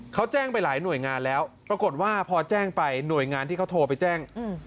เขาแจ้งไปหลายหน่วยงานแล้วปรากฏว่าพอแจ้งไปหน่วยงานที่เขาโทรไปแจ้ง